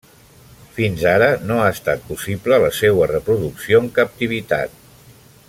Fins ara no ha estat possible la seua reproducció en captivitat.